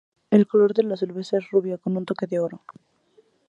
El color de la cerveza es rubia, con un toque de oro.